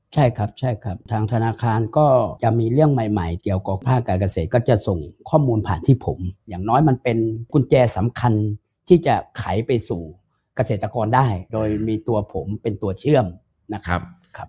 ใช่ครับใช่ครับทางธนาคารก็จะมีเรื่องใหม่เกี่ยวกับภาคการเกษตรก็จะส่งข้อมูลผ่านที่ผมอย่างน้อยมันเป็นกุญแจสำคัญที่จะไขไปสู่เกษตรกรได้โดยมีตัวผมเป็นตัวเชื่อมนะครับ